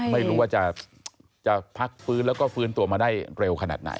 ไม่รู้ว่าจะพักฟื้นแล้วก็ฟื้นตัวมาได้เร็วขนาดไหน